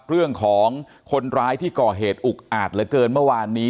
เรื่องของคนร้ายที่ก่อเหตุอุกอาจเหลือเกินเมื่อวานนี้